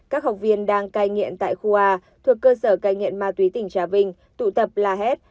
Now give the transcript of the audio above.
các học viên đang cai nghiện tại khu a thuộc cơ sở cai nghiện ma túy tỉnh trà vinh tụ tập la hét